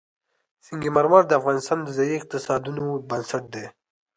سنگ مرمر د افغانستان د ځایي اقتصادونو بنسټ دی.